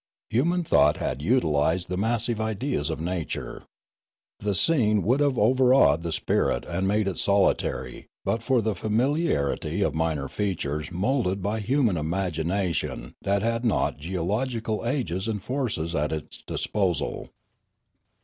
Human thought had utilised the massive ideas of nature. The scene would have overawed the spirit and made it solitary, but for the familiarity of minor features moulded by human imagination that had not geological ages and forces at its disposal.